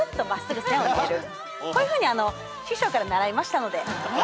こういうふうに師匠から習いましたので。